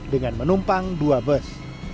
dengan menumpang dua bus